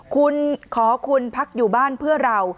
คุณขอคุณพักอยู่บ้านเพื่อเรา